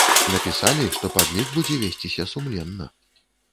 Напісалі, што падлік будзе весціся сумленна.